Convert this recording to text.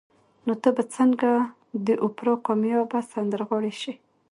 نو ته به څنګه د اوپرا کاميابه سندرغاړې شې